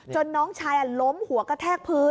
น้องชายล้มหัวกระแทกพื้น